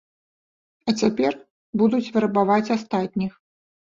А цяпер будуць вербаваць астатніх.